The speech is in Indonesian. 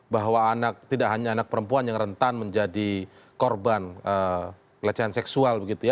bahwa anak tidak hanya anak perempuan yang rentan menjadi korban pelecehan seksual begitu ya